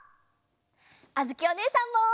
あづきおねえさんも！